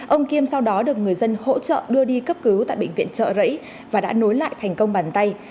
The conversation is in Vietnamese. ông kiêm sau đó được người dân hỗ trợ đưa đi cấp cứu tại bệnh viện trợ rẫy và đã nối lại thành công bàn tay